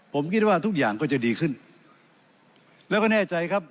ผมคิดว่าทุกอย่างก็จะดีขึ้นแล้วก็แน่ใจครับ